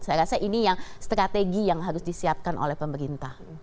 saya rasa ini yang strategi yang harus disiapkan oleh pemerintah